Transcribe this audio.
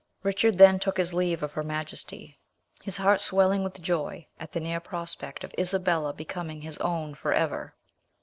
Richard then took his leave of her majesty, his heart swelling with joy at the near prospect of Isabella becoming his own for ever.